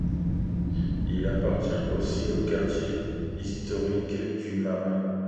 Il appartient aussi au quartier historique du Marais.